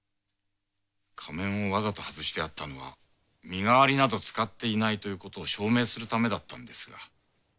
仮面をわざと外してあったのは身代わりなど使っていないということを証明するためだったのですが。